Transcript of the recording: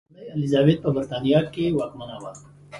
لومړۍ الیزابت په برېټانیا کې واکمنه وه.